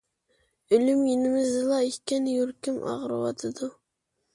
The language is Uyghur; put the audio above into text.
ئۆلۈم يېنىمىزدىلا ئىكەن... يۈرىكىم ئاغرىۋاتىدۇ.